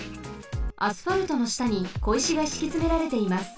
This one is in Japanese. アスファルトのしたにこいしがしきつめられています。